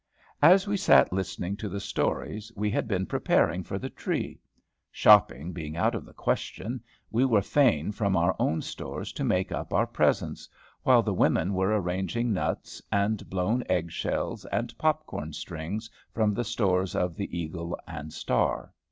As we had sat listening to the stories, we had been preparing for the tree. Shopping being out of the question, we were fain from our own stores to make up our presents, while the women were arranging nuts, and blown egg shells, and pop corn strings from the stores of the "Eagle and Star."